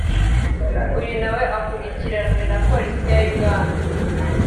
ubu na we akurikiranwe na Polisi ya Uganda